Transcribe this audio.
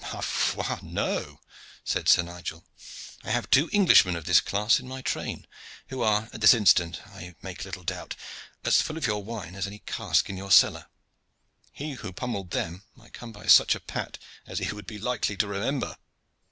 "Ma foi, no!" said Sir Nigel. "I have two Englishmen of this class in my train, who are at this instant, I make little doubt, as full of your wine as any cask in your cellar. He who pummelled them might come by such a pat as he would be likely to remember."